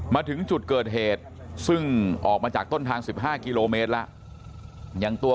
มาถึงจุดเกิดเหตุซึ่งออกมาจากต้นทาง๑๕กิโลเมตรแล้วยังตัว